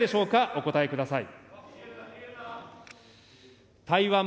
お答えください。